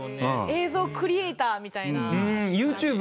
映像クリエーターみたいな。